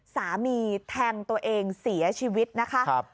สามีแทงตัวเองเสียชีวิตนะคะ